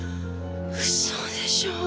嘘でしょう。